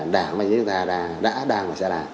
đảng mà chúng ta đã đang và sẽ làm